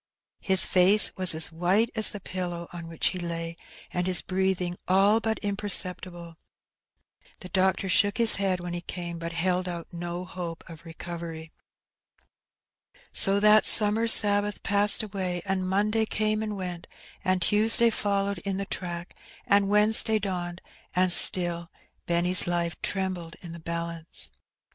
His face was as white as the pillow on which he lay, and his breathing all but imperceptible. The doctor shook his head when he came, but held out no hope of recovery. So that summer Sabbath passed away, and Monday came and went, and Tuesday followed in the track, and Wednesday dawned, and still Benny's life trembled in the balance.